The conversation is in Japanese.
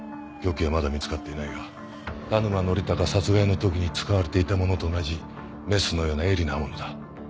凶器はまだ見つかっていないが田沼典孝殺害の時に使われていたものと同じメスのような鋭利な刃物だ。